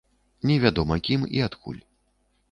Невядома кім і адкуль.